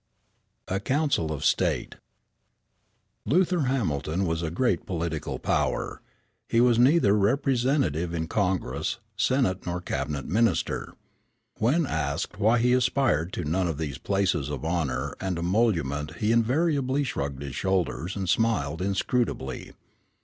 A COUNCIL OF STATE PART I Luther Hamilton was a great political power. He was neither representative in Congress, senator nor cabinet minister. When asked why he aspired to none of these places of honor and emolument he invariably shrugged his shoulders and smiled inscrutably.